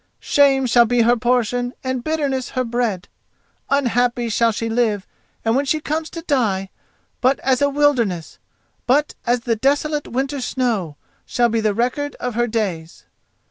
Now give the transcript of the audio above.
Shame shall be her portion and bitterness her bread. Unhappy shall she live, and when she comes to die, but as a wilderness—but as the desolate winter snow, shall be the record of her days!"